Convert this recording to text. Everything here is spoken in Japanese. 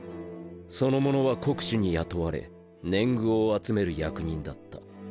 その者は国主に雇われ年貢を集める役人だった。